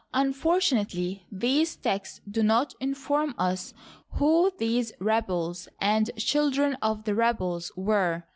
Unfortunately, these texts do not inform us who these " rebels " and " children of the rebels" were.